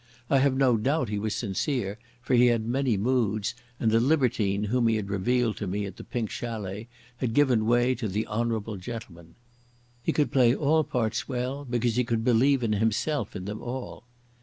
I have no doubt he was sincere, for he had many moods, and the libertine whom he had revealed to me at the Pink Chalet had given place to the honourable gentleman. He could play all parts well because he could believe in himself in them all.